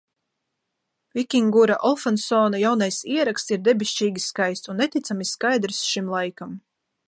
Vikingura Olafsona jaunais ieraksts ir debešķīgi skaists un neticami skaidrs šim laikam.